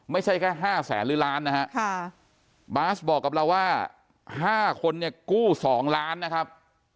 ไม่ใช่แค่๕แสนหรือล้านนะฮะบาสบอกกับเราว่า๕คนเนี่ยกู้๒ล้านนะครับ